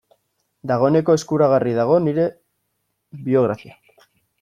Dagoeneko eskuragarri dago nire biografia.